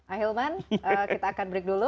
ahilman kita akan break dulu